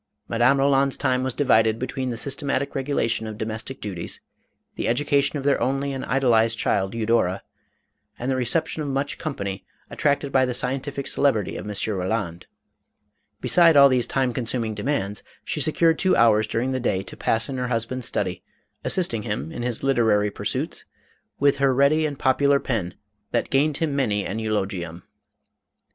Madame Roland's time was divided between the sys tematic regulation of domestic duties, the education of their only and idolized child Eudora, and the reception of much company, attracted by the scientific celebrity of M. Roland. Beside all these time consuming de mands, she secured two hours during the day to pass MADAME ROLAND. 497 in her husband's study, assisting him in his literary pursuits with her ready and popular pen, that gained him many an eulogium.